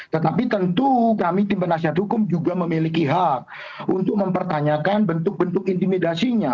tetapi tentu kami tim penasihat hukum juga memiliki hak untuk mempertanyakan bentuk bentuk intimidasinya